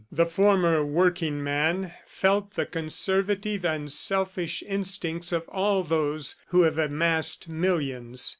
The former working man felt the conservative and selfish instinct of all those who have amassed millions.